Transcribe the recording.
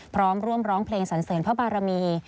พร้อมร่วมร้องเพลงสันเสริญพระบารมี